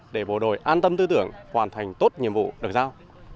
để bộ đội an tâm tư tưởng hoàn thành tốt nhiệm vụ được giao